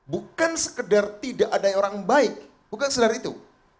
bukan sekedar tidak ada orang baik bukan sekedar itu